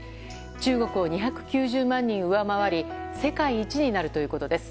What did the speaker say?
中国を２９０万人上回り世界一になるということです。